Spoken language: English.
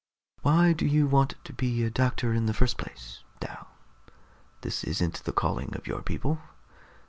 "Why do you want to be a doctor in the first place, Dal? This isn't the calling of your people.